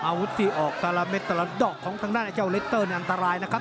อาวุธที่ออกแต่ละเม็ดแต่ละดอกของทางด้านไอ้เจ้าเล็กเตอร์นี่อันตรายนะครับ